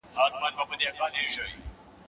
په هر ارمان یې چړې غبرګي غبرګي ځینه